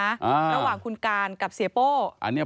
ระหว่างคุณการกับเสียโป้